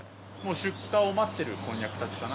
出荷を待ってるこんにゃくたちかな。